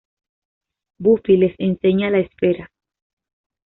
Buffy les enseña la esfera.